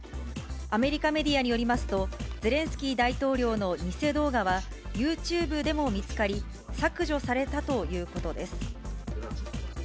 アメリカメディアによりますと、ゼレンスキー大統領の偽動画はユーチューブでも見つかり、削除されたということです。